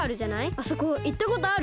あそこいったことある？